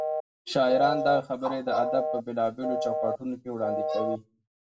شاعران دغه خبرې د ادب په بېلابېلو چوکاټونو کې وړاندې کوي.